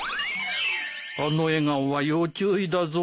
あの笑顔は要注意だぞ。